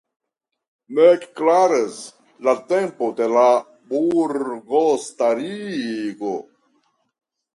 Nek klaras la tempo de la burgostarigo.